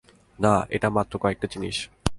না, এটা মাত্র কয়েকটা জিনিস।